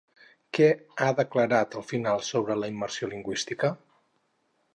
Què ha declarat al final sobre la immersió lingüística?